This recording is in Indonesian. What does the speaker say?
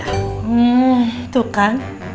hmm tuh kan